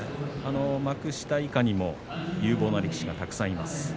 幕下以下にも有望な力士がたくさんいます。